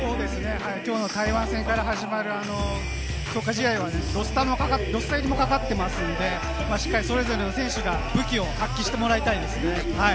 きょうの台湾戦から始まる強化試合はロスター入りもかかってますんで、しっかりそれぞれの選手が武器を発揮してもらいたいですね。